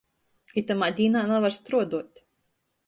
Itamā dīnā navar struoduot.